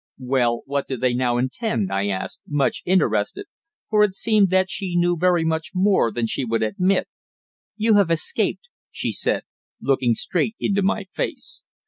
"Well, what do they now intend?" I asked, much interested, for it seemed that she knew very much more than she would admit. "You have escaped," she said, looking straight into my face.